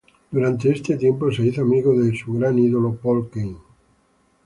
Durante este tiempo se hizo amigo de su gran ídolo Paul Kane.